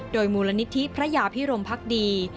โดยมูลนิธิพระยาพิรมพักดี